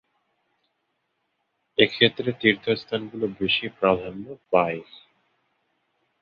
এ ক্ষেত্রে তীর্থস্থানগুলো বেশি প্রাধান্য পায়।